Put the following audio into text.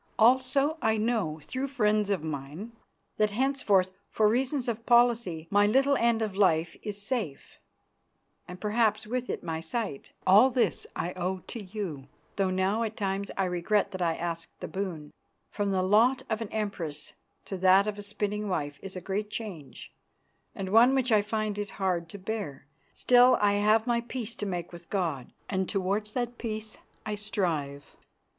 Also I know, through friends of mine, that henceforth, for reasons of policy, my little end of life is safe, and perhaps with it my sight. All this I owe to you, though now at times I regret that I asked the boon. From the lot of an Empress to that of a spinning wife is a great change, and one which I find it hard to bear. Still, I have my peace to make with God, and towards that peace I strive.